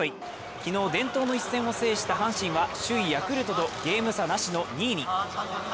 昨日伝統の一戦を制した阪神は首位ヤクルトとゲーム差なしの２位に。